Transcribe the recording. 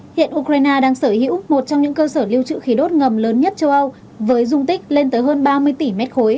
hiện ukraine đang sở hữu một trong những cơ sở lưu trữ khí đốt ngầm lớn nhất châu âu với dung tích lên tới hơn ba mươi tỷ m ba